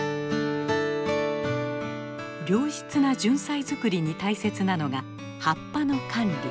良質なジュンサイ作りに大切なのが葉っぱの管理。